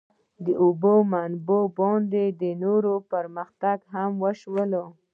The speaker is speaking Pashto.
د اوبو په منابعو باندې نور پرمختګونه هم وشول.